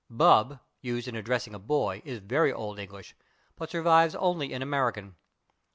/Bub/, used in addressing a boy, is very old English, but survives only in American.